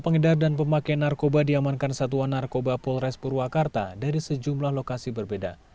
pengedar dan pemakai narkoba diamankan satuan narkoba polres purwakarta dari sejumlah lokasi berbeda